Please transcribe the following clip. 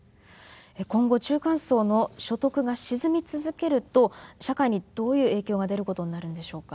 今後中間層の所得が沈み続けると社会にどういう影響が出ることになるんでしょうか。